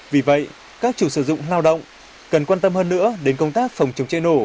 vì vậy các chủ sử dụng lao động cần quan tâm hơn nữa đến công tác phòng chống cháy nổ